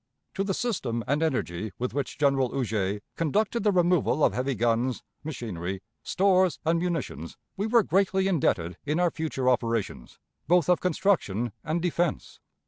To the system and energy with which General Huger conducted the removal of heavy guns, machinery, stores, and munitions, we were greatly indebted in our future operations, both of construction and defense.